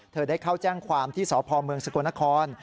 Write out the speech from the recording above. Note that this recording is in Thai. ได้เข้าแจ้งความที่สพเมืองสกลนคร